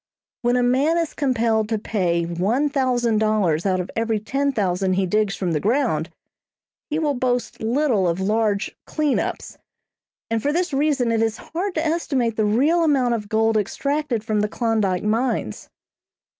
When a man is compelled to pay one thousand dollars out of every ten thousand he digs from the ground, he will boast little of large "clean ups"; and for this reason it is hard to estimate the real amount of gold extracted from the Klondyke mines.